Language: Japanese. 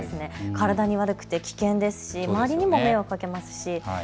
体に悪くて危険でそして周りにも迷惑かけます。